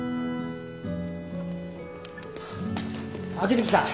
秋月さん